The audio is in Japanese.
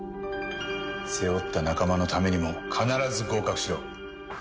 背負った仲間のためにも必ず合格しろ。